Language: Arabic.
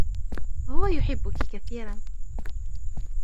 هو يحبكِ كثيرًا.